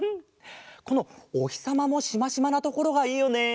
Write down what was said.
このおひさまもしましまなところがいいよね。